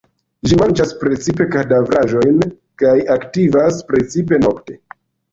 Ĝi manĝas precipe kadavraĵojn kaj aktivas precipe nokte.